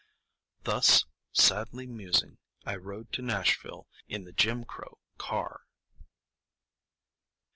Thus sadly musing, I rode to Nashville in the Jim Crow car.